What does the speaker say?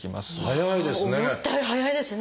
早いですね。